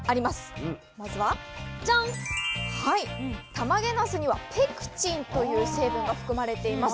たまげなすにはペクチンという成分が含まれています。